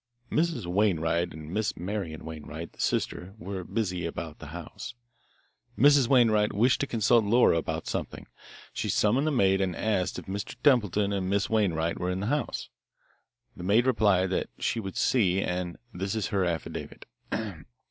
"Mrs. Wainwright and Miss Marian Wainwright, the sister, were busy about the house. Mrs. Wainwright wished to consult Laura about something. She summoned the maid and asked if Mr. Templeton and Miss Wainwright were in the house. The maid replied that she would see, and this is her affidavit.